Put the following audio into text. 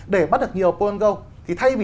để bắt được nhiều pokemon go